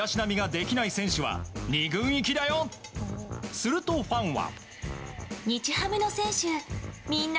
すると、ファンは。